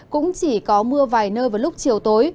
cũng chỉ có mưa vài nơi vào lúc chiều tối